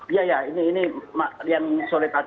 iya iya ini yang sore tadi menurutku